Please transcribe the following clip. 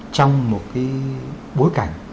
trong một cái bối cảnh